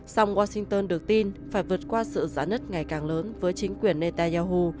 song washington được tin phải vượt qua sự giá nứt ngày càng lớn với chính quyền netanyahu